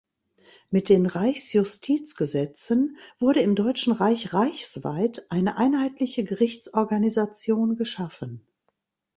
Mit den Reichsjustizgesetzen wurde im Deutschen Reich reichsweit eine einheitliche Gerichtsorganisation geschaffen.